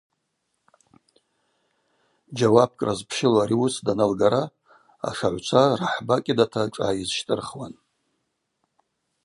Джьауапкӏра зпщылу ари ауыс даналгара ашагӏвчва рахӏба кӏьыдата шӏа йызщтӏырхуан.